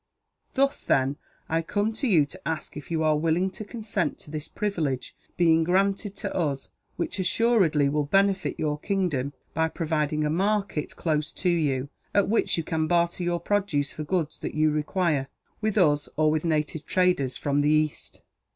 Thus, then, I come to you to ask you if you are willing to consent to this privilege being granted to us; which assuredly will benefit your kingdom by providing a market, close to you, at which you can barter your produce for goods that you require, with us or with native traders from the east.